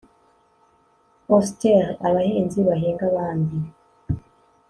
Austere abahinzi bahinga abandi